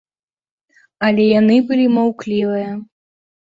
Але яны былі маўклівыя.